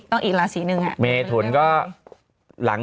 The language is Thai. ต้องอีกราศีนึง